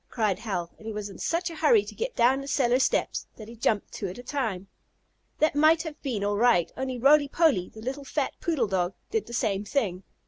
cried Hal, and he was in such a hurry to get down the cellar steps that he jumped two at a time. That might have been all right, only Roly Poly, the little fat poodle dog, did the same thing.